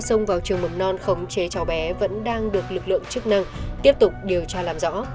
xông vào trường mầm non khống chế cháu bé vẫn đang được lực lượng chức năng tiếp tục điều tra làm rõ